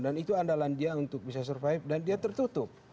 dan itu andalan dia untuk bisa survive dan dia tertutup